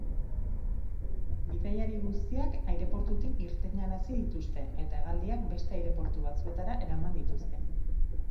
Bidaiari guztiak aireportutik irtenarazi dituzte eta hegaldiak beste aireportu batzuetara eraman dituzte.